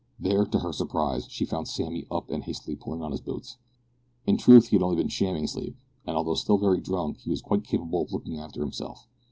There, to her surprise, she found Sammy up and hastily pulling on his boots. In truth he had been only shamming sleep, and, although still very drunk, was quite capable of looking after himself.